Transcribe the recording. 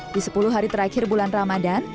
di sepuluh hari terakhir bulan ramadan